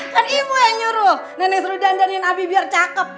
kan ibu yang nyuruh nenek suruh dandanin abi biar cakep